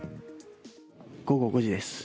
午後５時です。